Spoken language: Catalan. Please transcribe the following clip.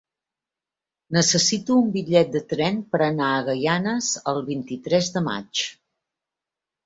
Necessito un bitllet de tren per anar a Gaianes el vint-i-tres de maig.